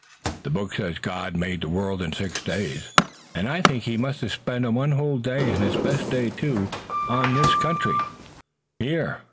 The Book says God made the world in six days, and I think He must have spent one whole day, and His best day, too, on the country in here.